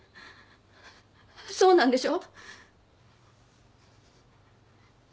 そうなんでしょ？